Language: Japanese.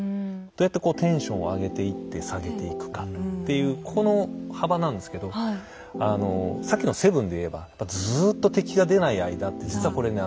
どうやってこうテンションを上げていって下げていくかっていうこの幅なんですけどさっきの「７」で言えばずっと敵が出ない間って実はこれね